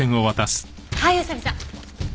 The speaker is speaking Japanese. はい宇佐見さん。